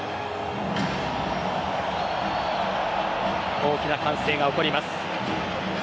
大きな歓声が起こります。